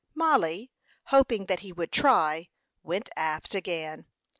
Mollie, hoping that he would try, went aft again.